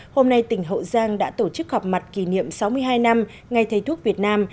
hôm nay tỉnh hậu giang đã tổ chức họp mặt kỷ niệm sáu mươi hai năm ngày thầy thuốc việt nam